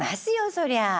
そりゃあ。